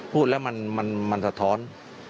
พูดแล้วมันสะท้อน